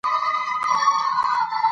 دغه ډول تېروتنې ژبه کمزورې کوي.